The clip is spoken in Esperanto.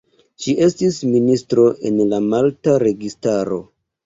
Ŝi estis ministro en la malta registaro.